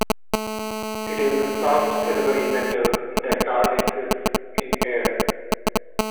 It is a soft silvery metal that tarnishes in air.